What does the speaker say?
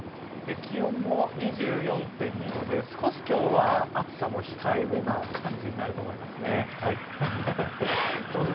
気温も２４．２度で、少し今日は暑さも控えめな感じになると思います。